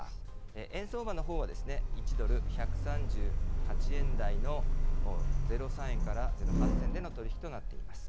円相場のほうは、１ドル１３８円台の０３銭から０８銭での取り引きとなっています。